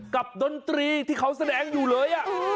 ดนตรีที่เขาแสดงอยู่เลย